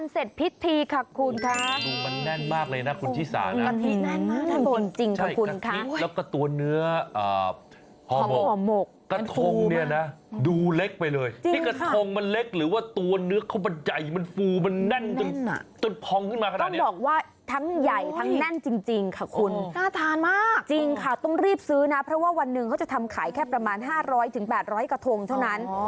ซื้อนะเพราะว่าวันหนึ่งเขาจะทำขายแค่ประมาณ๕๐๐๘๐๐กระทงเท่านั้น